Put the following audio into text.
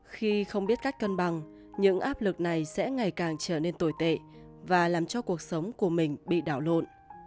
khi không biết cách cân bằng những áp lực này sẽ ngày càng trở nên tồi tệ và làm cho cuộc sống của mình bị đảo lộn